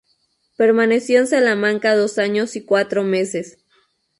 Permaneció en Salamanca dos años y cuatro meses.